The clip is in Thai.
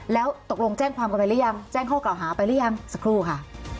แล้วตกลงแจ้งความกันไปหรือยังแจ้งข้อกล่าวหาไปหรือยังสักครู่ค่ะ